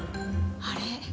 あれ？